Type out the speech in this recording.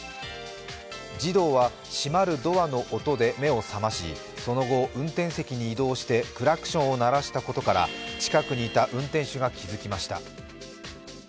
児童は閉まるドアの音で目を覚ましその後、運転席に移動してクラクションを鳴らしたことから近くにいた運転手が気づきました。